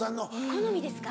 好みですか？